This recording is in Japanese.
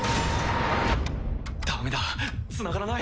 ダメだつながらない。